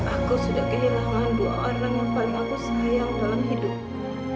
aku sudah kehilangan dua orang yang paling aku sayang dalam hidupku